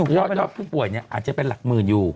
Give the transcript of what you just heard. ยอดผู้ป่วยอาจจะเป็นหลักหมื่นอยู่